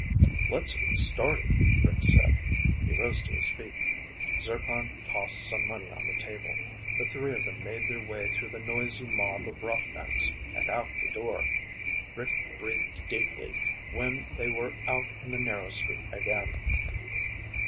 _" "Let's get started," Rick said. He rose to his feet. Zircon tossed some money on the table. The three of them made their way through the noisy mob of rough necks and out the door. Rick breathed deeply when they were out in the narrow street again.